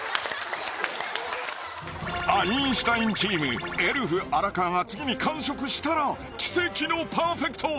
アインシュタインチームエルフ・荒川が次に完食したら奇跡のパーフェクト！